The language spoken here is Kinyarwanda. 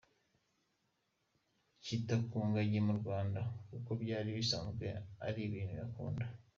kita ku ngagi mu Rwanda kuko byari bisanzwe ari ibintu akunda.